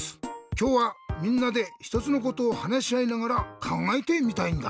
きょうはみんなでひとつのことをはなしあいながらかんがえてみたいんだ。